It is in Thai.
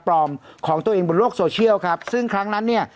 ของตัวเองบนโลกโซเชียลครับซึ่งครั้งนั้นเนี่ย